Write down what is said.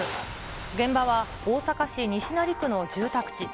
現場は大阪市西成区の住宅地。